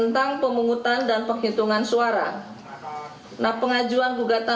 kan gak masalah bekerjasama normal kutu itu